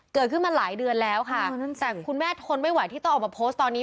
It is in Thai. เกิดขึ้นมาหลายเดือนแล้วค่ะแต่คุณแม่ทนไม่ไหวที่ต้องออกมาโพสต์ตอนนี้